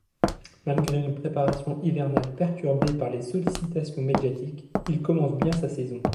Malgré une préparation hivernale perturbée par les sollicitations médiatiques, il commence bien sa saison.